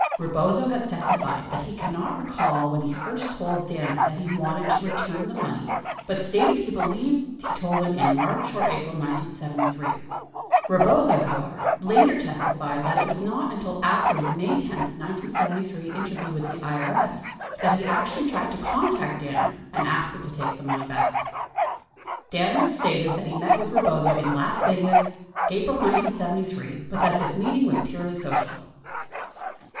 3 * Rebozo has testified that he cannot recall when he first told Danner that he wanted to return the money but stated he believed he told him in March or April 1973. 35 Rebozo, however, later testified that it was not until after his May 10, 1973, interview with the IRS that he actually tried to contact Danner to ask him to take the money back. 36 Danner has stated that he met with Rebozo in Las Vegas, April 1973, but that this meeting was purely social.